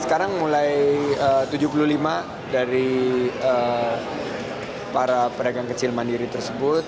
sekarang mulai tujuh puluh lima dari para pedagang kecil mandiri tersebut